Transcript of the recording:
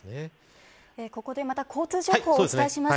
ここで、また交通情報をお伝えします。